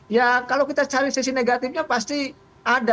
ya kalau kita cari sisi negatifnya pasti ada